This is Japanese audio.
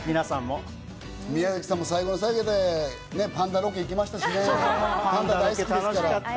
宮崎さんも最後の最後にパンダロケ行きましたしね、パンダ大好きですから。